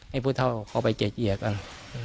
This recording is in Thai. ให้ผู้เท่าเข้าไปเกลี่ยกัน